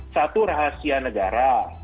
satu rahasia negara